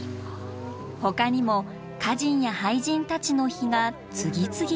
ほかにも歌人や俳人たちの碑が次々と。